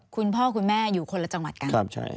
คุณพ่อคุณแม่อยู่คนละจังหวัดกัน